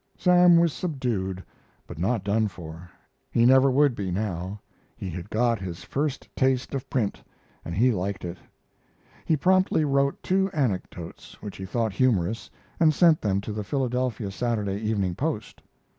Sam was subdued, but not done for. He never would be, now. He had got his first taste of print, and he liked it. He promptly wrote two anecdotes which he thought humorous and sent them to the Philadelphia Saturday Evening Post.